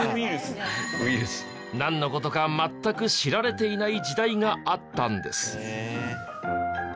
なんの事か全く知られていない時代があったんです。